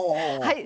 はい。